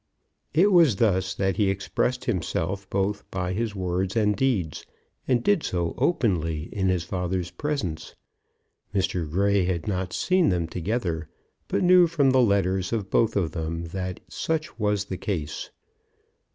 It was thus that he expressed himself both by his words and deeds, and did so openly in his father's presence, Mr. Grey had not seen them together, but knew from the letters of both of them that such was the case.